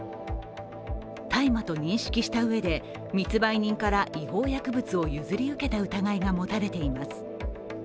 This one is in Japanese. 大麻と認識したうえで密売人から違法薬物を譲り受けた疑いがもたれています。